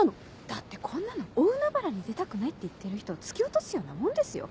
だってこんなの大海原に出たくないって言ってる人を突き落とすようなもんですよ